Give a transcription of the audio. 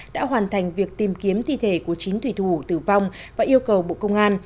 đã hoàn thành việc tìm kiếm thi thể của chính thủy thủ tử vong và yêu cầu bộ công an